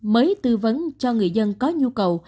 mới tư vấn cho người dân có nhu cầu